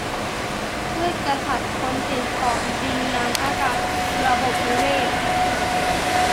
พืชกะสัตว์ คน สิ่งของ ดิน น้ำ อากาศ ระบบนิเวศ